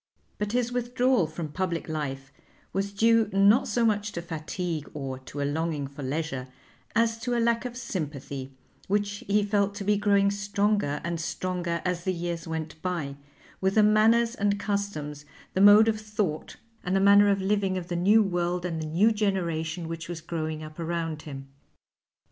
But his withdrawal from public life was due not so much to fatigue or to a longing for leisure as to a lack of sympathy, which he felt to be growing stronger and stronger as the years went by, with the manners and customs, the mode of thought, and the manner of living of the new world and the new generation which was growing up around him.